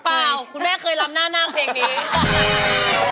เปล่าคุณแม่เคยลำหน้านาคเพลงนี้